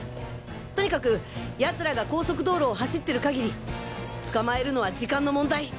とにかく奴らが高速道路を走ってる限り捕まえるのは時間の問題！